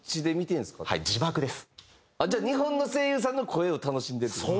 じゃあ日本の声優さんの声を楽しんでるって事？